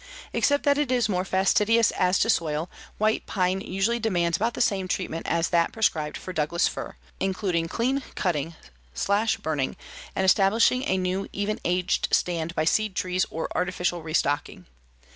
Except that it is more fastidious as to soil, white pine usually demands about the same treatment as that prescribed for Douglas fir, including clean cutting, slash burning and establishing a new even aged stand by seed trees or artificial restocking.